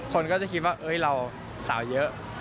คนก็จะคิดว่าเราสาวเยอะ